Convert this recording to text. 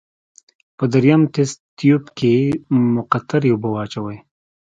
په دریم تست تیوب کې مقطرې اوبه واچوئ.